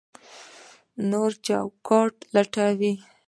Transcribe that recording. نوی چوکاټ لټوي.